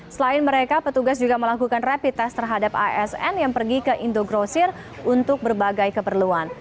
selain mereka petugas juga melakukan rapid test terhadap asn yang pergi ke indogrosir untuk berbagai keperluan